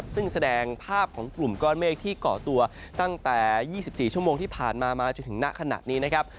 ซึ่งแสดงภาพของกลุ่มก้อนเมฆที่เกาะตัวตั้งแต่๒๔ชั่วโมงที่ผ่านมามาจนถึงณขณะนี้นะครับ